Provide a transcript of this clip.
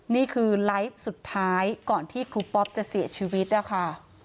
นี่คือไลฟ์สุดท้ายก่อนที่ครูปอ๊อปจะเสียชีวิตนะคะ